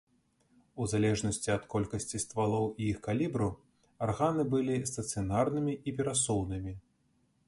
У залежнасці ад колькасці ствалоў і іх калібру, арганы былі стацыянарнымі і перасоўнымі.